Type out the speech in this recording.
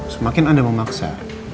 semakin anda memaksa